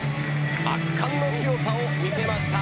圧巻の強さを見せました